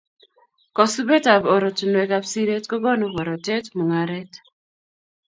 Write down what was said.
Kosubetab ortinuek ab siret kokonu borotetab mung'aret